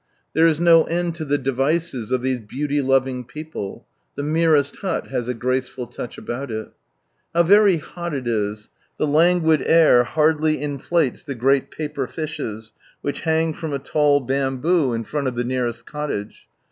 There is no end to the devices of these beaoty loving people^ Tbe merest bnt has a gracefiU touch abooi it How very bot it is ! Tbe lai^uid air hardly ioOaies the great paper fishes. On with the Message which hang from a tall bamboo, in front of the nearest cottage.